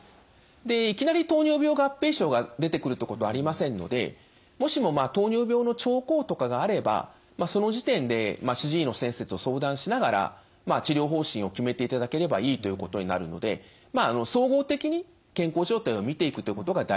でいきなり糖尿病合併症が出てくるってことはありませんのでもしも糖尿病の兆候とかがあればその時点で主治医の先生と相談しながら治療方針を決めていただければいいということになるので総合的に健康状態を見ていくということが大事です。